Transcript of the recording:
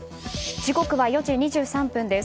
時刻は４時２３分です。